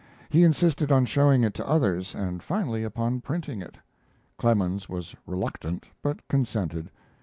He insisted on showing it to others and finally upon printing it. Clemens was reluctant, but consented.